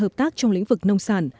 hợp tác trong lĩnh vực nông sản